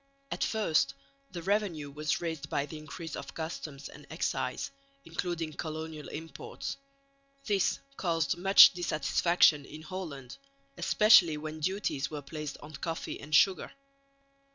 At first the revenue was raised by the increase of customs and excise, including colonial imports. This caused much dissatisfaction in Holland, especially when duties were placed on coffee and sugar.